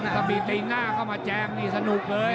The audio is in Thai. ตะพี่เตะอยู่หน้าเข้ามาแจ้งนี่สนุกเลย